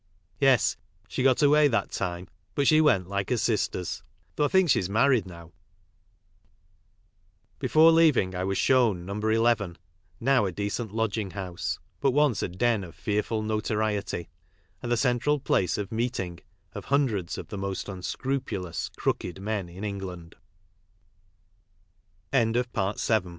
Yes, she got away that time, but she went like her sisters, though I think she's married now." Before leaving I was shown j No. 11, now a decent lodging house, but once a den j of fearful notoriety, and the central place of meeting of hundreds of the most unscrupulous " crooked" m